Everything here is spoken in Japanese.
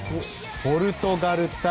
ポルトガル対